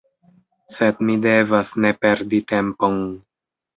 Sed mi devas ne perdi tempon.